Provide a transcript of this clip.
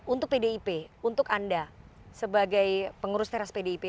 untuk pdip untuk anda sebagai pengurus teras pdip